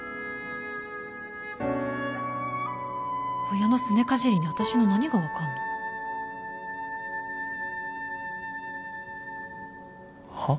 親のすねかじりに私の何が分かんのはあ？